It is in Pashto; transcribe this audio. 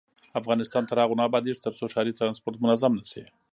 افغانستان تر هغو نه ابادیږي، ترڅو ښاري ترانسپورت منظم نشي.